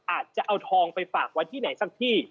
อาจจะเอาทองไปฝากไว้ที่ไหนสักที่